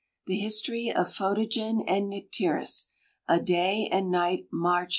2] THE HISTORY OF PHOTOGEN AND NYCTERIS. A Day and Night Mährchen.